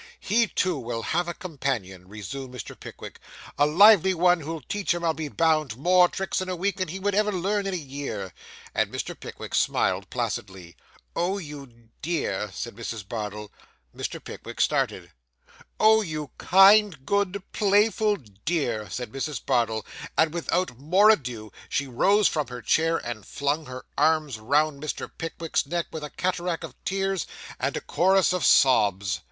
'He, too, will have a companion,' resumed Mr. Pickwick, 'a lively one, who'll teach him, I'll be bound, more tricks in a week than he would ever learn in a year.' And Mr. Pickwick smiled placidly. 'Oh, you dear ' said Mrs. Bardell. Mr. Pickwick started. 'Oh, you kind, good, playful dear,' said Mrs. Bardell; and without more ado, she rose from her chair, and flung her arms round Mr. Pickwick's neck, with a cataract of tears and a chorus of sobs.